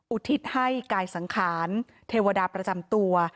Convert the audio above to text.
อุทิศให้กายสังขารเทวดาประจำตัว